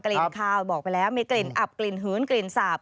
ลิ่นคาวบอกไปแล้วมีกลิ่นอับกลิ่นหืนกลิ่นสาบ